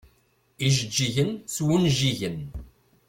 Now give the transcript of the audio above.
Ijeǧǧigen s wunjigen.